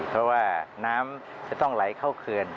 เพราะว่าน้ำจะต้องไหลเข้าเขื่อน